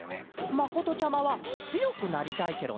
まことちゃまはつよくなりたいケロね。